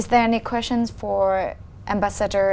cho quốc gia malaysia không